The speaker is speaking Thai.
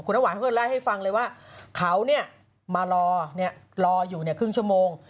คุณน้ำหวานให้ฟังเลยว่าเขามารออยู่ครึ่งชั่วโมง